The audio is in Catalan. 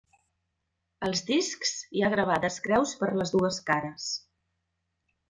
Als discs hi ha gravades creus per les dues cares.